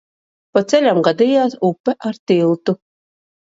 Pa ceļam gadījās upe ar tiltu.